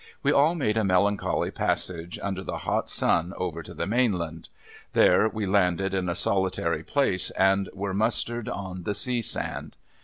We all made a melancholy passage, under the hot sun over to the mainland. There, we landed in a solitary place, and were mustered on the sea sand.